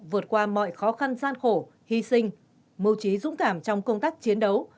vượt qua mọi khó khăn gian khổ hy sinh mưu trí dũng cảm trong công tác chiến đấu